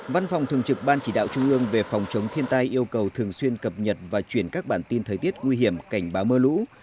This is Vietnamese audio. văn phòng thường trực ban chỉ đạo trung ương về phòng chống thiên tai yêu cầu thường xuyên cập nhật và chuyển các bản tin thời tiết nguy hiểm cảnh báo mưa lũ